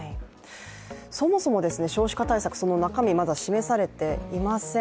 そもそも少子化対策、その中身、まだ示されていません。